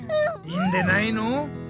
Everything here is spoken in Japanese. いいんでないの！